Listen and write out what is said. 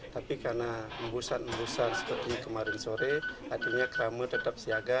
tapi karena embusan embusan seperti kemarin sore artinya kerama tetap siaga